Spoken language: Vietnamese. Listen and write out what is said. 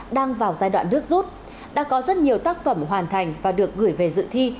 đang vào giai đoạn nước rút đã có rất nhiều tác phẩm hoàn thành và được gửi về dự thi